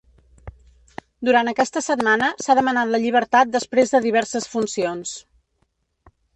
Durant aquesta setmana s’ha demanat la llibertat després de diverses funcions.